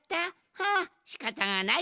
ふんしかたがない。